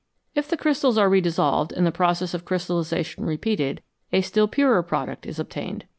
If the crystals are redissolved, and the process of crystallisa tion repeated, a still purer product is obtained.